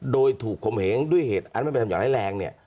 โดยถูกคมเหงด้วยเหตุอันนั้นมันเป็นอาจารย์ให้แรงเนี่ย